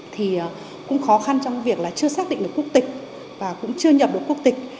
thì cũng khó khăn trong việc là chưa xác định được quốc tịch và cũng chưa nhập được quốc tịch